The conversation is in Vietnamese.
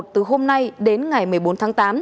từ hôm nay đến ngày một mươi bốn tháng tám